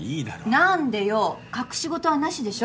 なんでよ隠し事は無しでしょ！